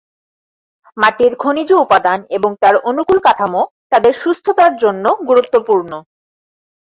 মাটির খনিজ উপাদান এবং তার অনুকূল কাঠামো, তাদের সুস্থতার জন্য গুরুত্বপূর্ণ।